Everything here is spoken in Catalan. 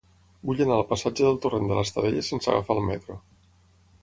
Vull anar al passatge del Torrent de l'Estadella sense agafar el metro.